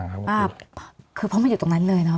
มีความรู้สึกว่ามีความรู้สึกว่า